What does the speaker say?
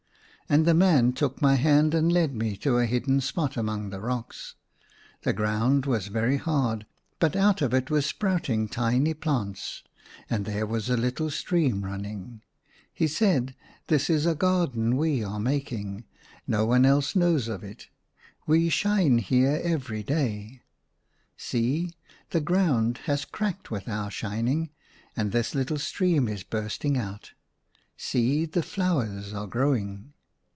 And the man took my hand and led me to a hidden spot among the rocks. The ground was very hard, but out of it were sprouting tiny plants, and there was a little stream running. He said, This is a garden we are making, no one else knows of it. We shine here every day ; see, the ground has cracked with our shining, and this litde stream is burstinjT out. See, the flowers are growing."